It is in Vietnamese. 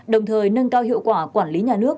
đồng thời nâng cao hiệu quả quản lý nhà nước